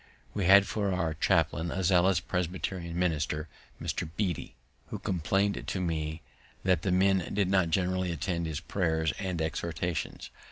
We had for our chaplain a zealous Presbyterian minister, Mr. Beatty, who complained to me that the men did not generally attend his prayers and exhortations.